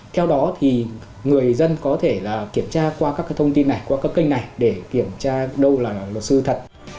theo đó thì người dân có thể kiểm tra qua các thông tin này qua các kênh này để kiểm tra đâu là luật sư thật